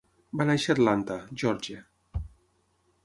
Va néixer a Atlanta (Geòrgia).